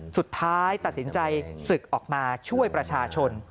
สุดท้ายตัดสินใจศึกออกมาช่วยประชาชน